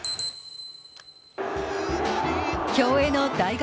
競泳の大学